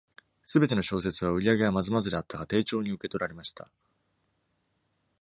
すべての小説は、売り上げはまずまずであったが、丁重に受け取られました。